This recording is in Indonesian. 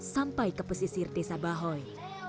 sampai ke pesisir desa bahoy